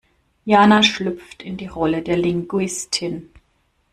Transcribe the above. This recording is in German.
Jana schlüpft in die Rolle der Linguistin.